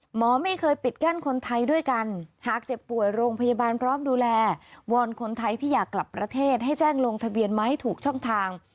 หมอไม่เคยปิดกั้นคนไทยด้วยกันหากเจ็บป่วยโรงพยาบาลพร้อมดูแลวอนคนไทยที่อยากกลับประเทศให้แจ้งลงทะเบียนมาให้ถูกช่องทาง